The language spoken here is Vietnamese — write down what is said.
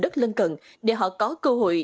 đất lân cận để họ có cơ hội